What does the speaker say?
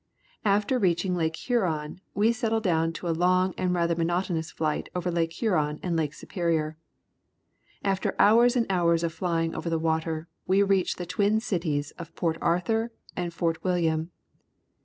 After reaching Lake Huron, we settle down to a long and rather monotonous flight over Lake Huron and Lake Superior. After hours and hours of flying over the water, we reach the twin cities of Port Arthur and Fort Wil liam.